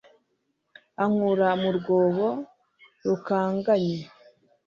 Ankura mu rwobo rukanganye